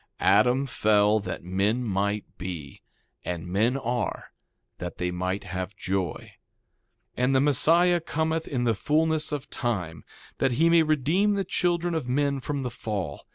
2:25 Adam fell that men might be; and men are, that they might have joy. 2:26 And the Messiah cometh in the fulness of time, that he may redeem the children of men from the fall.